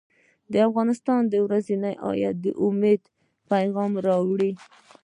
• د ورځې دعا د امید پیغام راوړي.